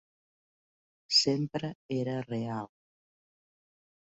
Sempre era "real".